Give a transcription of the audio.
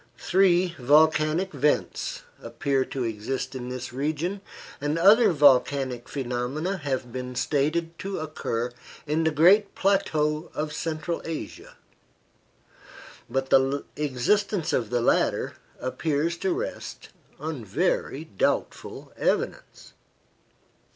Three volcanic vents appear to exist in this region, and other volcanic phenomena have been stated to occur in the great plateau of Central Asia, but the existence of the latter appears to rest on very doubtful evidence.